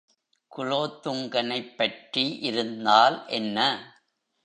குலோத்துங்கனைப் பற்றி இருந்தால் என்ன?